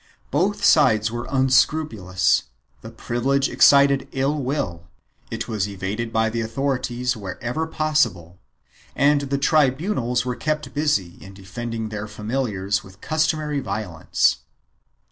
Both sides were unscrupulous; the privilege excited ill will, it was evaded by the authorities wherever possible and the tribunals were kept busy in defending their familiars with customary violence.